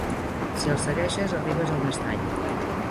Si el segueixes, arribes a un estany.